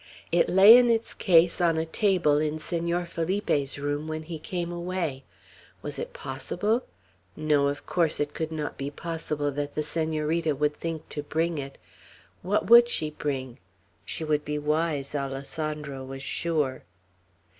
It lay in its case on a table in Senor Felipe's room when he came away, Was it possible? No, of course it could not be possible that the Senorita would think to bring it. What would she bring? She would be wise, Alessandro was sure.